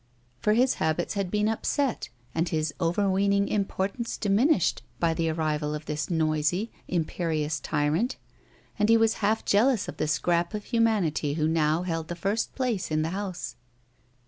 " for his habits had been upset and his overweening importance diminished by the arrival of this noisy, imperious tyrant, and he was half jealous of the scrap of humanity who now held the first place in the house.